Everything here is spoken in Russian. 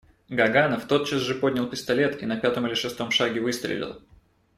Гаганов тотчас же поднял пистолет и на пятом или шестом шаге выстрелил.